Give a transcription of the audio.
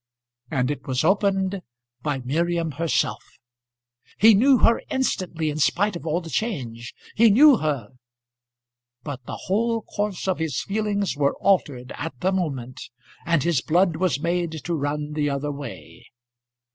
And it was opened by Miriam herself. He knew her instantly in spite of all the change. He knew her, but the whole course of his feelings were altered at the moment, and his blood was made to run the other way.